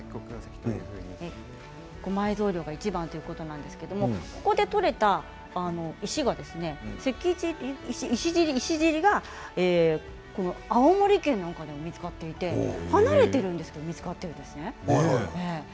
埋蔵量いちばんということなんですが、ここで採れた石じりが青森県なんかでも見つかっていて離れているんですけど見つかっているんですね。